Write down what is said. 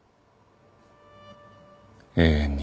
永遠に。